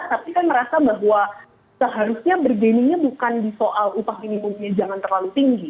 tapi saya merasa bahwa seharusnya bergainingnya bukan di soal upah minimumnya jangan terlalu tinggi